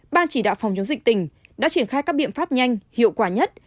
ban chỉ đạo phòng chống dịch tỉnh đã triển khai các biện pháp nhanh hiệu quả nhất